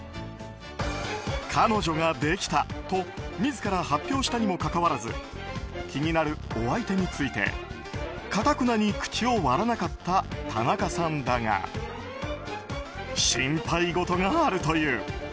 彼女ができたと自ら発表したにもかかわらず気になるお相手についてかたくなに口を割らなかった田中さんだが心配事があるという。